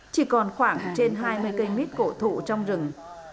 chỉ còn khoảng trên hai mươi cây mít cổ thụ trong rừng